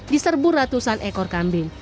diserbu ratusan ekor kambing